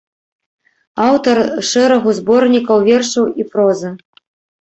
Аўтар шэрагу зборнікаў вершаў і прозы.